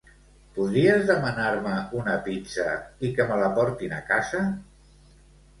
Podries demanar-me una pizza i que me la portin a casa?